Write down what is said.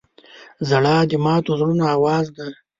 • ژړا د ماتو زړونو اواز دی.